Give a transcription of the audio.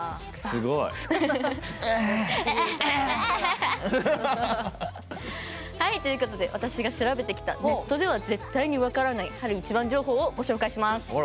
あぁ！ということで私が調べてきたネットでは絶対に分からない晴いちばん情報をご紹介します。